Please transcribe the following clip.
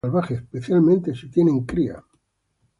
No se acerque a los animales salvajes, especialmente si tienen cría.